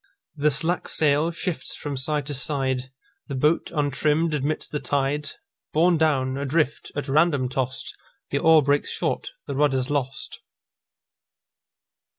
The slack sail shifts from side to side, The boat, untrimm'd, admits the tide, Borne down, adrift, at random tost, The oar breaks short, the rudder's lost.